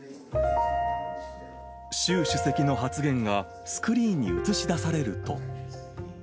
習主席の発言が、スクリーンに映し出されると。